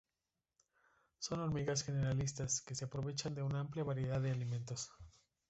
Son hormigas generalistas, que se aprovechan de una amplia variedad de alimentos.